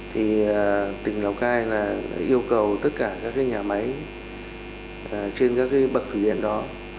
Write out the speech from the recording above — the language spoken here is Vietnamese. thì tỉnh lào cai là yêu cầu tất cả các nhà máy trên các bậc thủy điện đó